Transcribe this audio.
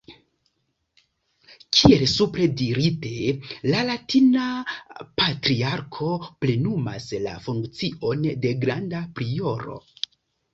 Kiel supre dirite, la latina Patriarko plenumas la funkcion de Granda Prioro.